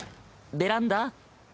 ベランダ？